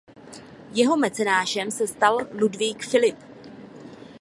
Jeho mecenášem se stal Ludvík Filip.